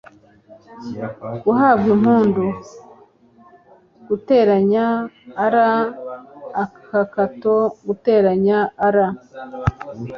guhabw'impundu, +r,+r